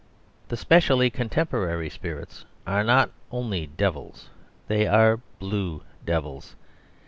The specially contemporary spirits are not only devils, they are blue devils.